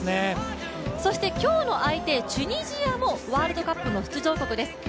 そして今日の相手、チュニジアもワールドカップの出場国です。